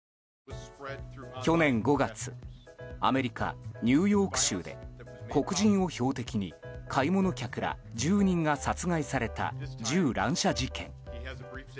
去年５月アメリカ・ニューヨーク州で黒人を標的に買い物客ら１０人が殺害された銃乱射事件。